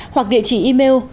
hoặc địa chỉ email